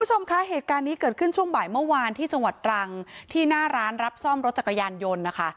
คุณผู้ชมคะเหตุการณ์นี้เกิดขึ้นช่วงบ่ายเมื่อวานที่จังหวัดตรังที่หน้าร้านรับซ่อมรถจักรยานยนต์นะคะ